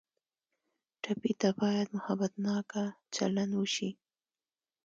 ټپي ته باید محبتناکه چلند وشي.